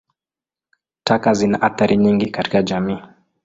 Taka zina athari nyingi katika jamii.